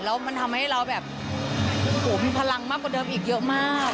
แล้วมันทำให้เราแบบโอ้โหมีพลังมากกว่าเดิมอีกเยอะมาก